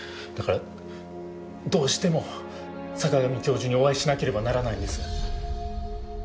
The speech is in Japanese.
だからどうしても坂上教授にお会いしなければならないんです。